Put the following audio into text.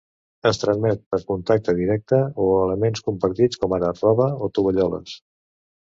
Es transmet per contacte directe o elements compartits, com ara roba o tovalloles.